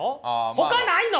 ほかないの？